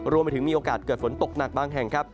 รวมไปถึงมีโอกาสขนปลกหนักบ้างแห่ง